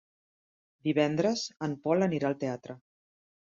Divendres en Pol anirà al teatre.